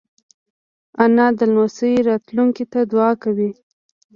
انا د لمسیو راتلونکې ته دعا کوي